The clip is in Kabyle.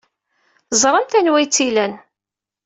Teẓramt anwa ay tt-ilan.